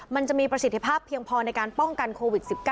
มันจะมีประสิทธิภาพเพียงพอในการป้องกันโควิด๑๙